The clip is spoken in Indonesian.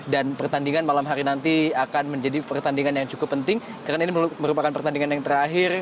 dan pertandingan malam hari nanti akan menjadi pertandingan yang cukup penting karena ini merupakan pertandingan yang terakhir